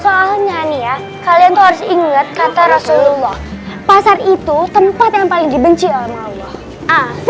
soalnya nih ya kalian tuh harus ingat kata rasulullah pasar itu tempat yang paling dibenci oleh allah